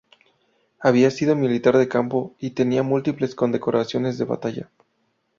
Había sido militar de campo y tenía múltiples condecoraciones de batalla.